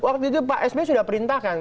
waktu itu pak sby sudah perintahkan